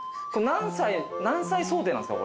何歳想定なんすか？